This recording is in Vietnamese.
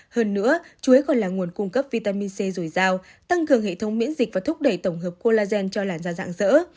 hơn nữa chuối còn là nguồn cung cấp vitamin c dồi dào tăng cường hệ thống miễn dịch và thúc đẩy tổng hợp collagen cho làn da dạng dỡ